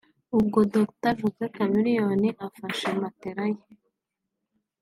ubwo Dr Josee Chameleone afashe matela ye